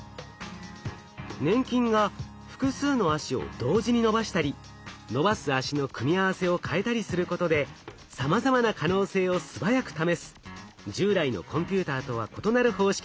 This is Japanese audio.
粘菌が複数の足を同時に伸ばしたり伸ばす足の組み合わせをかえたりすることでさまざまな可能性を素早く試す従来のコンピューターとは異なる方式の計算を実現したのです。